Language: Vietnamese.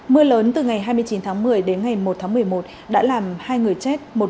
mưa lớn từ ngày hai mươi chín tháng một mươi đến ngày một tháng một mươi một đã làm hai người chết